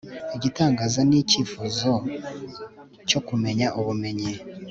igitangaza ni icyifuzo cyo kumenya ubumenyi